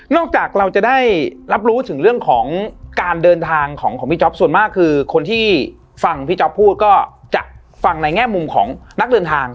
จากเราจะได้รับรู้ถึงเรื่องของการเดินทางของพี่จ๊อปส่วนมากคือคนที่ฟังพี่จ๊อปพูดก็จะฟังในแง่มุมของนักเดินทาง